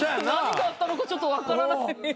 何があったのかちょっと分からない。